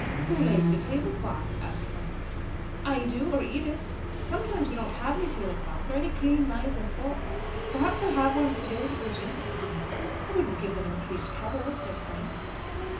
"Who lays the tablecloth?" asked Frank. "I do; or Edith; sometimes we don't have any tablecloth, or any clean knives and forks. Perhaps they'll have one to day because you have come." "I wouldn't give them increased trouble," said Frank.